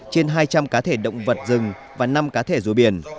trên hai trăm linh cá thể động vật rừng và năm cá thể rùa biển